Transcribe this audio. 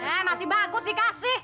eh masih bagus dikasih